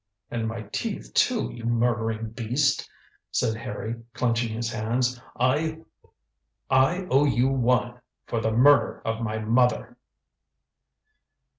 "And my teeth too, you murdering beast," said Harry, clenching his hands. "I owe you one for the murder of my mother."